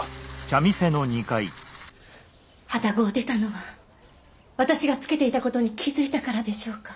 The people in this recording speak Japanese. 旅籠を出たのは私がつけていた事に気付いたからでしょうか？